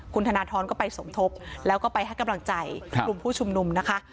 คุณธนทรก็ไปสมทบแล้วก็ไปให้กำลังใจกลุ่มผู้ชุมนุมนะคะ